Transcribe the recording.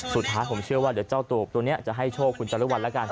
สุดท้ายผมเชื่อว่าเดี๋ยวเจ้าตูบตัวนี้จะให้โชคคุณจรุวัลแล้วกัน